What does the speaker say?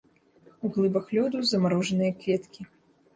У глыбах лёду замарожаныя кветкі.